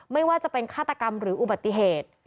ไม่ว่าจะเป็นฆาตกรรมหรืออุบัติเหตุ